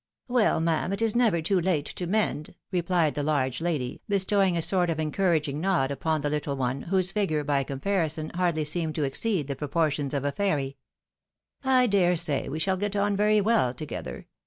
" Well, ma'am, it is never too late to mend," replied the large lady, bestowing a sort of encouraging nod upon the little one, whose figure, by comparison, hardly seemed to exceed the proportions of a fairy ;" I dare say we shall get on very well to gether.